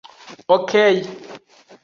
Okej.